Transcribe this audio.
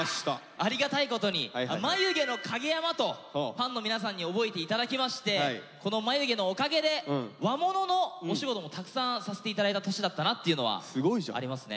ありがたいことに「眉毛の影山」とファンの皆さんに覚えて頂きましてこの眉毛のおかげで和物のお仕事もたくさんさせて頂いた年だったなっていうのはありますね。